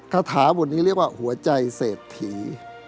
คาถาบทนี้เรียกว่าหัวใจเศรษฐี